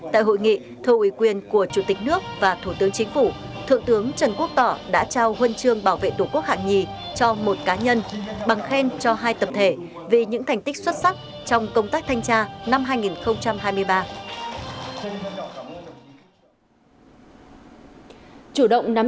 tại hội nghị thu ủy quyền của chủ tịch nước và thủ tướng chính phủ thượng tướng trần quốc tỏ đã trao huân chương bảo vệ tổ quốc hạng nhì cho một cá nhân bằng khen cho hai tập thể vì những thành tích xuất sắc trong công tác thanh tra năm hai nghìn hai mươi ba